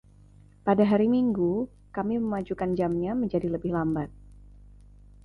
Pada hari Minggu, kami memajukan jamnya menjadi lebih lambat.